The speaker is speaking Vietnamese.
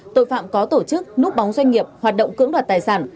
tội phạm có tổ chức núp bóng doanh nghiệp hoạt động cưỡng đoạt tài sản